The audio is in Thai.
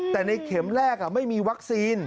แต่ในเข็มแรกไม่มีวัคซีน